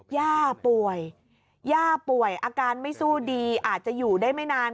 หญ้าป่วยอาการไม่สู้ดีอาจอยู่ได้ไม่นาน